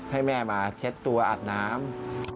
ให้แม่มาเช็ดตัวอาบน้ำ